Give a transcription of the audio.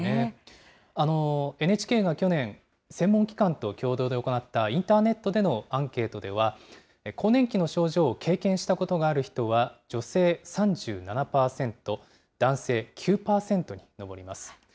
ＮＨＫが去年、専門機関と共同で行ったインターネットでのアンケートでは、更年期の症状を経験したことがある人は女性３７％、男性９％に上ります。